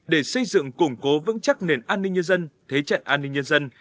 để xây dựng củng cố vững chắc nền an ninh nhân dân thế trận an ninh nhân dân